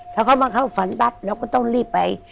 ถ้าเขามาเข้าฝันปั๊บเราก็ต้องรีบไป